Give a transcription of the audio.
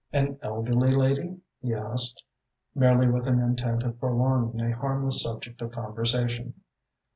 "An elderly lady?" he asked, merely with an intent of prolonging a harmless subject of conversation.